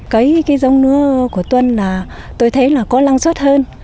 cấy cái giống lúa của tuấn là tôi thấy là có lăng suất hơn